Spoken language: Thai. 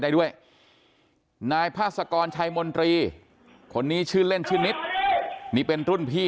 ได้ด้วยนายพาสกรชัยมนตรีคนนี้ชื่อเล่นชื่อนิดนี่เป็นรุ่นพี่